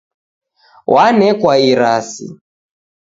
Wanekwa irasi